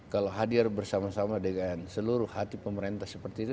kalau hadir bersama sama dengan seluruh hati pemerintah seperti itu